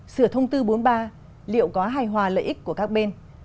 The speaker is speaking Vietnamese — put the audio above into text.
sửa thông tư bốn mươi ba liệu có hài hòa lợi ích của các bên